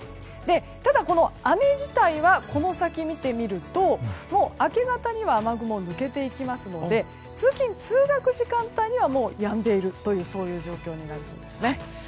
ただ、この雨自体はこの先見てみると、明け方には雨雲は抜けていきますので通勤・通学時間帯にはもうやんでいるという状況になりそうですね。